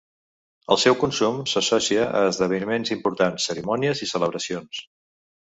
El seu consum s'associa a esdeveniments importants, cerimònies i celebracions.